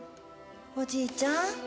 おじいちゃん